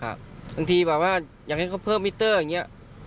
ครับบางทีอยากให้เขาเพิ่มมิเตอร์อย่างนี้